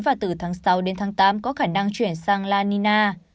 và từ tháng sáu đến tháng tám có khả năng chuyển sang la nina